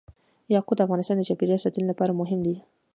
یاقوت د افغانستان د چاپیریال ساتنې لپاره مهم دي.